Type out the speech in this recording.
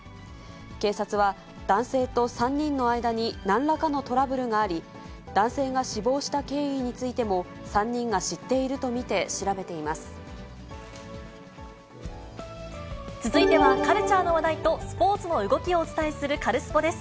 警察は、男性と３人の間になんらかのトラブルがあり、男性が死亡した経緯についても３人が知っていると見て調べていま続いては、カルチャーの話題とスポーツの動きをお伝えするカルスポっ！です。